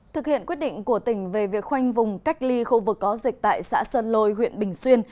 thực hiện quyết định của tỉnh về việc khoanh vùng cách ly khu vực có dịch tại xã sơn lôi huyện bình xuyên